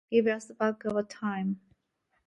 Give us back our time.